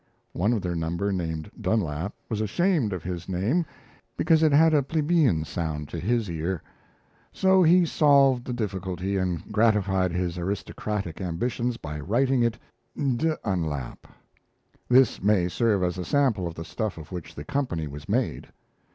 One of their number, named Dunlap, was ashamed of his name, because it had a plebeian sound to his ear. So he solved the difficulty and gratified his aristocratic ambitions by writing it d'Unlap. This may serve as a sample of the stuff of which the company was made.